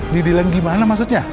deal dealan gimana maksudnya